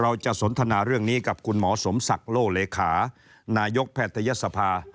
เราจะสวนทนาเรื่องนี้กับคุณหมอสมสักโลเหลคานายกแพทยศภา